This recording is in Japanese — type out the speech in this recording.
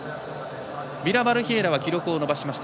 ビラバルヒエラは記録を伸ばしました。